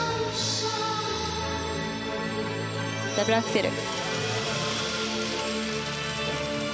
ダブルアクセル。